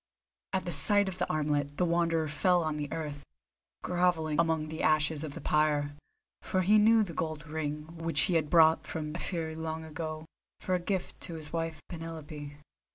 At the sight of the armlet the Wanderer fell on the earth, grovelling among the ashes of the pyre, for he knew the gold ring which he had brought from Ephyre long ago, for a gift to his wife Penelope.